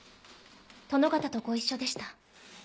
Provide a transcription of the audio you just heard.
殿方とご一緒でした。